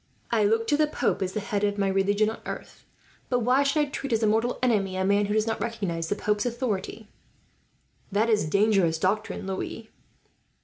I look to the pope as the head of my religion on earth, but why should I treat as a mortal enemy a man who does not recognize the pope's authority?" "That is dangerous doctrine, Louis."